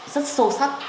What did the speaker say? rất sâu sắc